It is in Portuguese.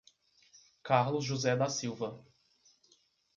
Carlos José da Silva